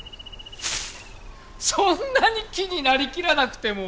そんなに木になりきらなくても！